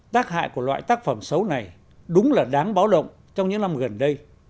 tác hại của loại tác phẩm xấu này đúng là đáng báo động trong những năm gần đây